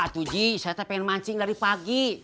tuh ji saya pengen mancing dari pagi